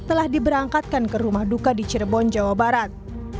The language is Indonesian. telah diberangkatkan ke rumah duka di cirebon jawa barat